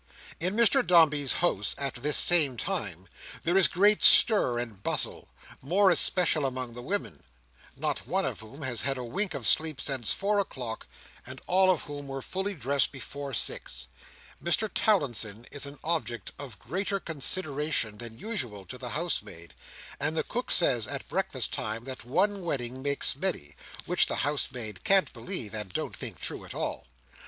In Mr Dombey's house, at this same time, there is great stir and bustle, more especially among the women: not one of whom has had a wink of sleep since four o'clock, and all of whom were fully dressed before six. Mr Towlinson is an object of greater consideration than usual to the housemaid, and the cook says at breakfast time that one wedding makes many, which the housemaid can't believe, and don't think true at all.